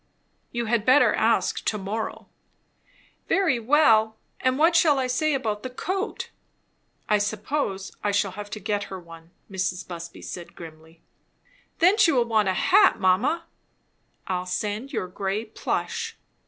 "You had better ask to morrow." "Very well. And what shall I say about the coat?" "I suppose I shall have to get her one," Mrs. Busby said grimly. "Then she will want a hat, mamma." "I'll send your grey plush."